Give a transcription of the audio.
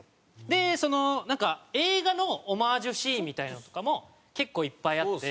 で映画のオマージュシーンみたいのとかも結構いっぱいあって。